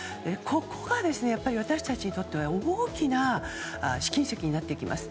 ここが私たちにとっては大きな試金石になってきます。